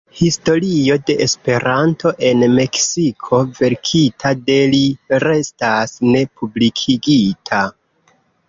Historio de Esperanto en Meksiko, verkita de li, restas ne publikigita.